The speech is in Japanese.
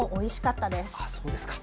そうですか。